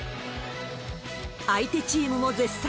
相手チームも絶賛。